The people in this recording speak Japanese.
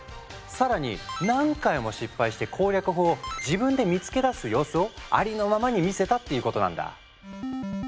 更に何回も失敗して攻略法を自分で見つけ出す様子をありのままに見せたっていうことなんだ。